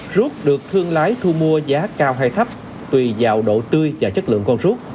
rút được thương lái thu mua giá cao hay thấp tùy vào độ tươi và chất lượng con rút